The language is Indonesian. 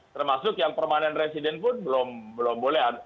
termasuk yang permanent resident pun belum boleh